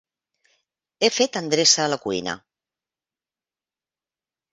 He fet endreça a la cuina.